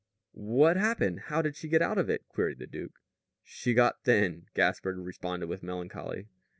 "What happened? How did she get out of it?" queried the duke. "She got thin," Gaspard responded with melancholy.